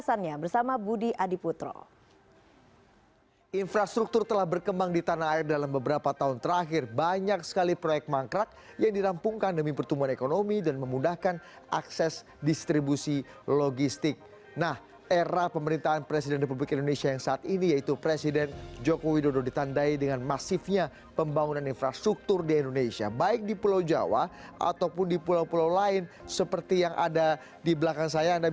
saksikan kami sesaat lagi tetap di layar pemilu terpercaya